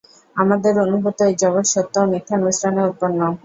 আমাদের অনুভূত এই জগৎ সত্য ও মিথ্যার মিশ্রণে উৎপন্ন।